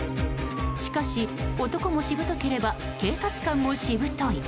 しかし、男もしぶとければ警察官もしぶとい。